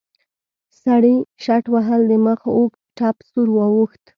سړي شټوهل د مخ اوږد ټپ سور واوښت.